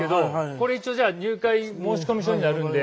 これ一応じゃあ入会申込書になるんで。